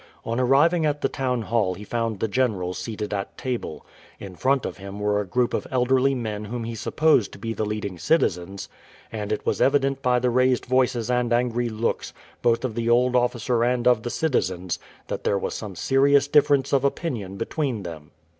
On arriving at the town hall he found the general seated at table. In front of him were a group of elderly men whom he supposed to be the leading citizens, and it was evident by the raised voices and angry looks, both of the old officer and of the citizens, that there was some serious difference of opinion between them.